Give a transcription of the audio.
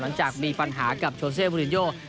หลังจากมีปัญหากับโชเซมูลินโย